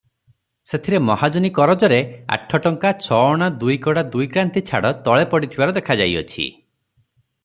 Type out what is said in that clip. ସେଥିରେ ମହାଜନୀ କରଜରେ ଆଠ ଟଙ୍କା ଛଅଅଣା ଦୁଇକଡ଼ା ଦୁଇକ୍ରାନ୍ତି ଛାଡ଼ ତଳେ ପଡ଼ିଥିବାର ଦେଖାଯାଇଅଛି ।